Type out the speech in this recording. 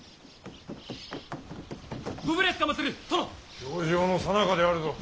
評定のさなかであるぞ。